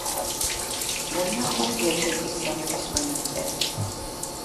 მოინახულა გერგეტის სამების მონასტერი.